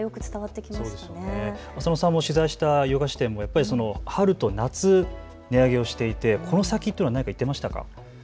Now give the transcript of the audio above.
あるいは浅野さんが取材した洋菓子店も春と夏、値上げをしていてこの先は何か言っていましたか。